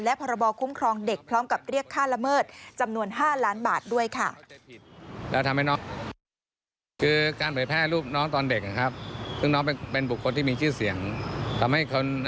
และพรบคุ้มครองเด็กพร้อมกับเรียกค่าละเมิดจำนวน๕ล้านบาทด้วยค่ะ